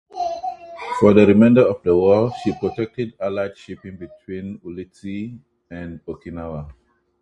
For the remainder of the war, she protected Allied shipping between Ulithi and Okinawa.